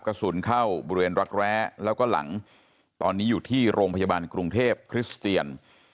กระสุนเข้าบริเวณรักแร้แล้วก็หลังตอนนี้อยู่ที่โรงพยาบาลกรุงเทพคริสเตียน